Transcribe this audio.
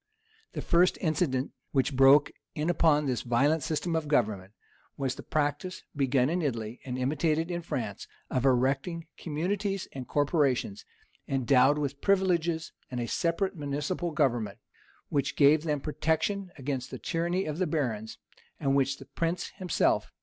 The first incident which broke in upon this violent system of government, was the practice, begun in Italy, and imitated in France, of erecting communities and corporations, endowed with privileges and a separate municipal government, which gave them protection against the tyranny of the barons, and which the prince himself deemed it prudent to respect.